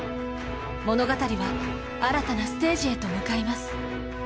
物語は新たなステージへと向かいます。